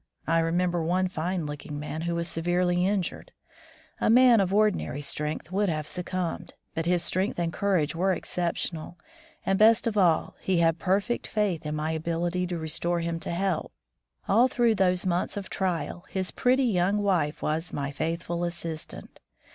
I remember one fine looking man who was severely injured ; a man of ordinary strength would have succumbed, but his strength and courage were exceptional* and best of all, he had perfect faith in my ability to restore him to health. All through those months of trial, his pretty young wife was my faithful assistant.